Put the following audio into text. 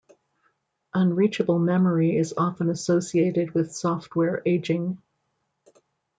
Unreachable memory is often associated with software aging.